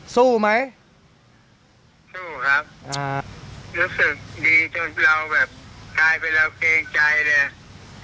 สู้ไหมสู้ครับรู้สึกดีจนเราแบบกลายเป็นเราเกรงใจเลย